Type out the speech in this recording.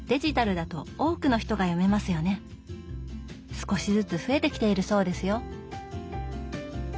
少しずつ増えてきているそうですよ。